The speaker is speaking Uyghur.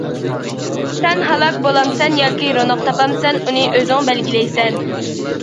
سەن ھالاك بولامسەن ياكى روناق تاپامسەن، ئۇنى ئۆزۈڭ بەلگىلەيسەن.